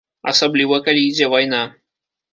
Асабліва, калі ідзе вайна.